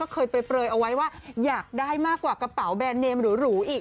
เคยเปลยเอาไว้ว่าอยากได้มากกว่ากระเป๋าแบรนดเนมหรูอีก